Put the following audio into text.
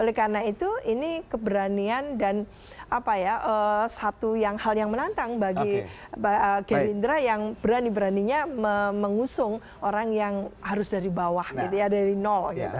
oleh karena itu ini keberanian dan satu hal yang menantang bagi gerindra yang berani beraninya mengusung orang yang harus dari bawah gitu ya dari nol gitu